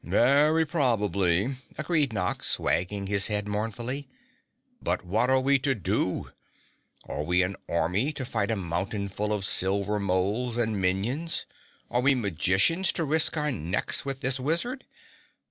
"Very probably," agreed Nox, wagging his head mournfully. "But what are we to do? Are we an army to fight a mountain full of silver moles and minions, are we magicians to risk our necks with this wizard?